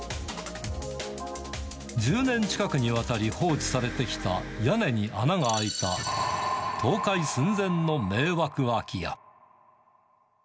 １０年近くにわたり放置されてきた、屋根に穴が開いた倒壊寸前の迷惑空き家。